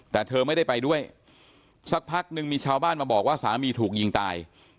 แต่เธอไม่ได้ไปด้วยสักพักนึงมีชาวบ้านมาบอกว่าสามีถูกยิงตาย